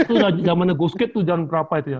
itu jamannya goskate tuh jam berapa ya